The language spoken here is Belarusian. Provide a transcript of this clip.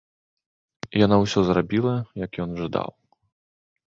Яна ўсё зрабіла, як ён жадаў.